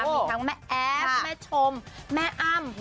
มีแถมแม่เอ๊พแม่ชมแม่อั้ม